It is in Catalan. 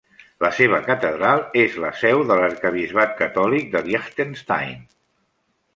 La seva catedral és la seu de l'arquebisbat catòlic de Liechtenstein.